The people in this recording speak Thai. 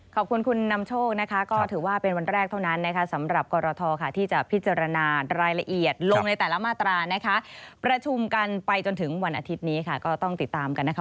ขอบคุณคุณนำโชคนะคะก็ถือว่าเป็นวันแรกเท่านั้นนะคะสำหรับกรททธ